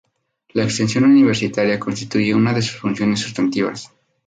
La extensión universitaria constituye una de sus funciones sustantivas.